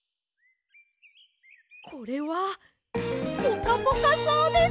これはポカポカそうです！